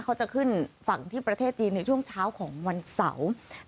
เขาจะขึ้นฝั่งที่ประเทศจีนในช่วงเช้าของวันเสาร์